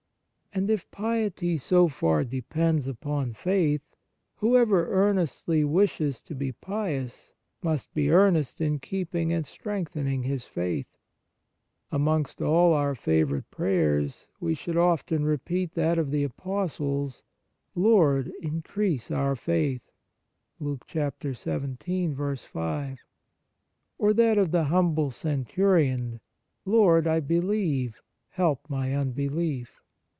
And if piety so far depends upon faith, whoever earnestly wishes to be pious must be earnest in keeping and strengthening his faith. Amongst all our favourite prayers, we should often repeat that of the Apostles, " Lord, increase our faith," * or that of the humble centurion :" Lord, I believe; help my unbelief."!